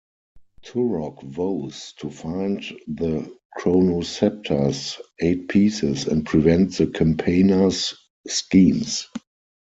Turok vows to find the Chronoscepter's eight pieces and prevent the Campaigner's schemes.